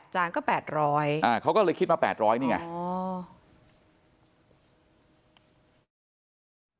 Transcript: จานก็๘๐๐เขาก็เลยคิดมา๘๐๐นี่ไง